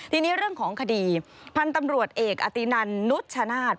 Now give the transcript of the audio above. ทีนี้เรื่องของคดีพันธุ์ตำรวจเอกอตินันนุชชนาธิ์